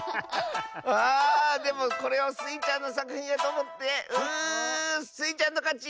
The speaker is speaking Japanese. あでもこれをスイちゃんのさくひんやとおもってうスイちゃんのかち！